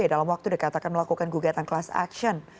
dalam waktu dikatakan melakukan gugatan kelas aksion